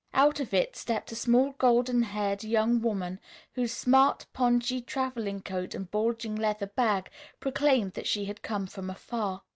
Out of it stepped a small, golden haired young woman whose smart pongee traveling coat and bulging leather bag proclaimed that she had come from afar.